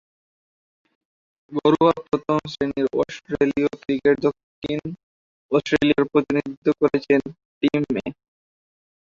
ঘরোয়া প্রথম-শ্রেণীর অস্ট্রেলীয় ক্রিকেটে দক্ষিণ অস্ট্রেলিয়ার প্রতিনিধিত্ব করেছেন টিম মে।